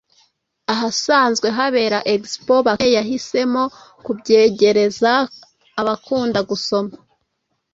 ahasanzwe habera Expo. Bakame yahisemo kubyegereza abakunda gusoma